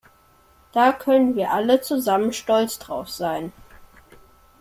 Da können wir alle zusammen stolz drauf sein!